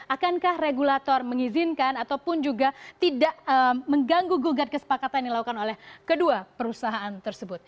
akankah regulator mengizinkan ataupun juga tidak mengganggu gugat kesepakatan yang dilakukan oleh kedua perusahaan tersebut